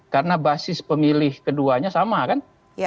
karena basis pemilih keduanya sama kan